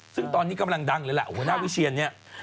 ซึ่งตอนนี้กำลังดังเลยล่ะหัวหน้าวิเชียนเนี่ย